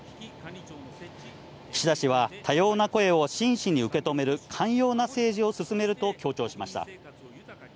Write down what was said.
岸田氏は、多様な声を真摯に受け止める寛容な政治を進めると強調しました。